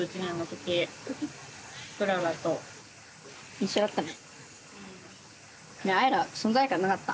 一緒だったね。